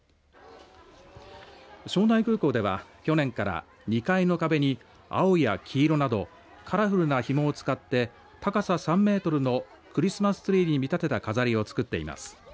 庄内空港では去年から２階の壁に、青や黄色などカラフルなひもを使って高さ３メートルのクリスマスツリーに見立てた飾りを作っています。